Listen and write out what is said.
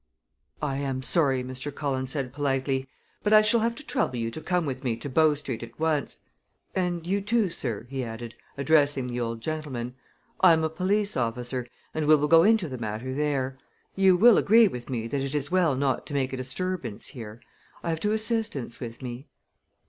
"I am sorry," Mr. Cullen said politely, "but I shall have to trouble you to come with me to Bow Street at once and you, too, sir," he added, addressing the old gentleman. "I am a police officer and we will go into the matter there. You will agree with me that it is well not to make a disturbance here. I have two assistants with me."